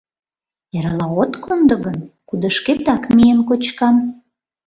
— Эрла от кондо гын, кудышкетак миен кочкам.